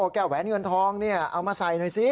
แก้วแว้นเงินทองเนี่ยเอามาใส่หน่อยสิ